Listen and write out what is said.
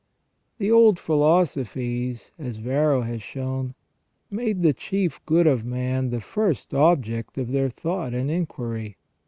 The old philosophies, as Varro has shown, made the chief good of man the first object of their thought and inquirj'.